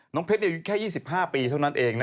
น้องเพชรอยู่แค่๒๕ปีเท่านั้นเองนะ